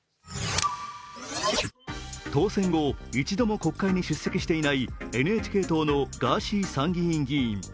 当選後、一度も国会に出席していないＮＨＫ党のガーシー参議院議員。